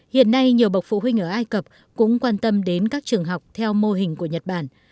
hiện nay nhiều bậc phụ huynh ở ai cập cũng quan tâm đến các trường học theo mô hình của nhật bản